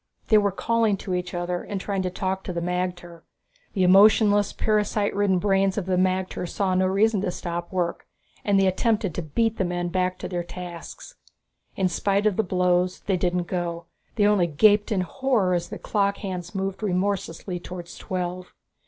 They were calling to each other and trying to talk to the magter. The emotionless, parasite ridden brains of the magter saw no reason to stop work, and they attempted to beat the men back to their tasks. In spite of the blows, they didn't go; they only gaped in horror as the clock hands moved remorselessly towards twelve.